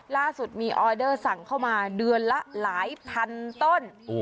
ล่าสุดมีออเดอร์สั่งเข้ามาเดือนละหลายพันต้น